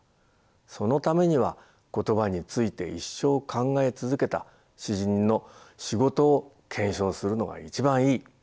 そのためには言葉について一生考え続けた詩人の仕事を検証するのが一番いい。